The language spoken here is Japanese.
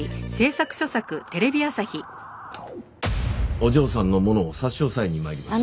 お嬢さんのものを差し押さえに参りました。